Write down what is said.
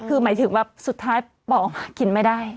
คือหมายถึงว่าสุดท้ายปอกออกมากินไม่ได้